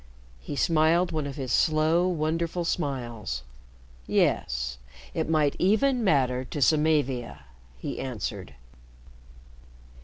He smiled one of his slow wonderful smiles. "Yes. It might even matter to Samavia!" he answered.